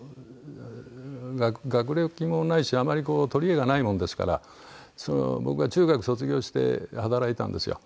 学歴もないしあまりこう取りえがないものですから僕は中学卒業して働いたんですよ。